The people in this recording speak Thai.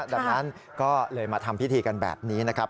ดังนั้นก็เลยมาทำพิธีกันแบบนี้นะครับ